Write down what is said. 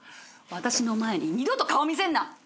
私の前に二度と顔見せんな。